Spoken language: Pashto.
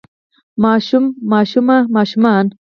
ماشوم ماشومه ماشومان